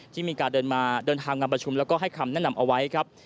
ที่มีการเดินทางมาประชุมแล้วก็ให้คำแนะนำเอาไว้ครับ